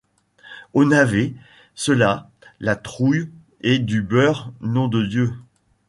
Aux navets, ceux-là! la Trouille, et du beurre, nom de Dieu !